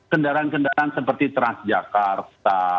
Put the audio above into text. kendaraan kendaraan seperti transjakarta